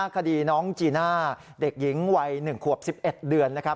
คดีน้องจีน่าเด็กหญิงวัย๑ขวบ๑๑เดือนนะครับ